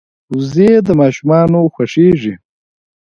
وزې د ماشومانو خوښېږي